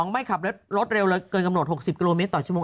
๒ไม่ขับรถรถเร็วเกินกำหนด๖๐กมต่อชั่วโมง